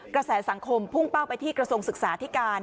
กระแสสังคมพุ่งเป้าไปที่กระทรวงศึกษาที่การ